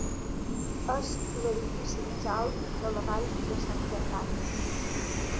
És l'edifici més alt de la Vall de San Fernando.